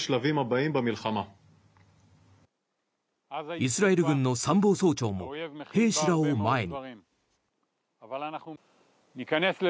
イスラエル軍の参謀総長も兵士らを前に。